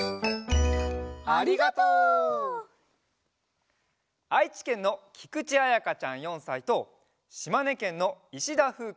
ありがとう！あいちけんのきくちあやかちゃん４さいとしまねけんのいしだふう